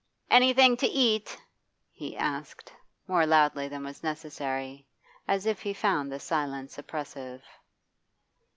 'Anything to eat?' he asked, more loudly than was necessary, as if he found the silence oppressive.